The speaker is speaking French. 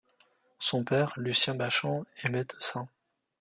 Son père, Lucien Bachand est médecin.